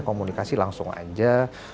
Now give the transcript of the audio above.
komunikasi langsung aja